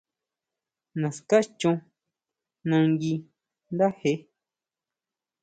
Naská chon nagui ndáje.